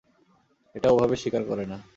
এটা ওভাবে শিকার করে না।